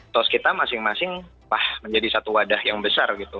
tos kita masing masing menjadi satu wadah yang besar gitu